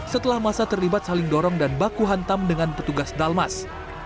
setelah masa terlibat saling dorong dan baku hantam dengan petugas dalmas